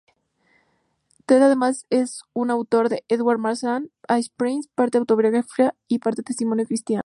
Ted además es autor de "Every Man Has His Price", parte-autobiografía y parte-testimonio Cristiano.